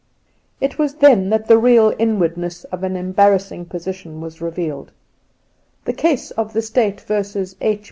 It was then that the real inwardness of an em Induna Nairn 'j'j barrassing position was revealed; The case of 'The State v. H.